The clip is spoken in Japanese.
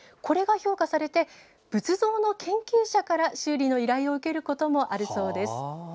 これが評価されて仏像の研究者から修理の依頼を受けることもあるそうです。